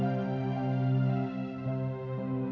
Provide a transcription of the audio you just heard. kakang mencintai dia kakang